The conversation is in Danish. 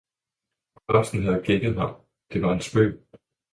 Blomsten havde gækket ham, det var en spøg.